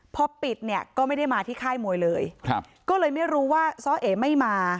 พอปิดเนี่ยก็ไม่ได้มาที่ค่ายมวยเลยครับก็เลยไม่รู้ว่าซ้อเอไม่มา